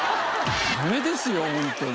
ダメですよホントに。